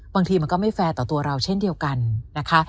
บางทีมันก็ไม่แฟร์ต่อตัวเราเช่นเดียวกันนะคะ